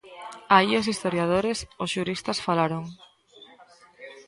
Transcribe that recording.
Aí os historiadores, os xuristas falaron.